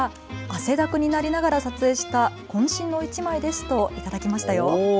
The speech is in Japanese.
汗だくになりながら撮影したこん身の１枚ですといただきましたよ。